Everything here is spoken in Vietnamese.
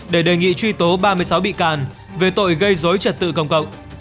để đề nghị truy tố ba mươi sáu bị can về tội gây dối trật tự công cộng